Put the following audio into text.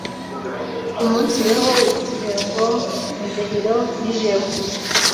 umunsibehe igihengo, indehiro n’ijembo